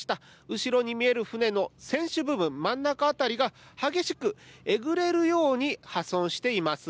後ろに見える船の船首部分真ん中辺りが激しくえぐれるように破損しています。